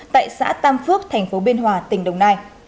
tại xã tam phước tp hcm tỉnh đồng nai